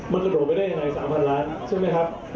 มันกระโดดไปได้ยังไง๓๐๐ล้านใช่ไหมครับ